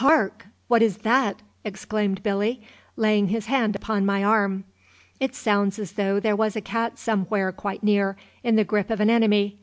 "Hark! what is that?" exclaimed Billy, laying his hand upon my arm. "It sounds as though there was a cat somewhere quite near, in the grip of an enemy.